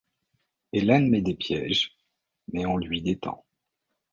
Helen met des pièges mais on lui détend.